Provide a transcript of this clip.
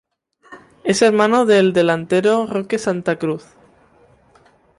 Es hermano del delantero Roque Santa Cruz.